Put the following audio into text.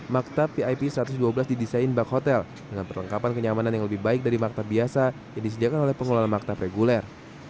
maktab vip satu ratus dua belas didesain bak hotel dengan perlengkapan kenyamanan yang lebih baik dari maktab biasa yang disediakan oleh pengelola maktab reguler